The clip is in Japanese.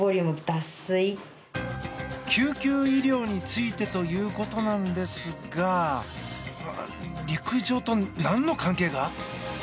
救急医療についてということなんですが陸上と何の関係が？